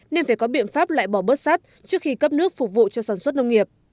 nên phải có biện pháp lại bỏ bớt sát trước khi cấp nước phục vụ cho sản xuất nông nghiệp